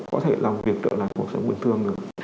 có thể làm việc trở lại cuộc sống bình thường được